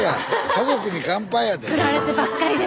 「家族に乾杯」やで。